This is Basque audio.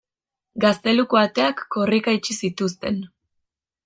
Gazteluko ateak korrika itxi zituzten.